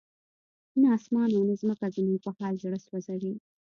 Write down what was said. نه اسمان او نه ځمکه زموږ په حال زړه سوځوي.